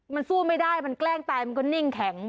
มันสู้ไม่ได้มันแกล้งตายมันก็นิ่งแข็ง